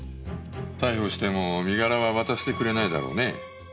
逮捕しても身柄は渡してくれないだろうね。